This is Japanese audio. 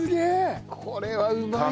これはうまいぞ！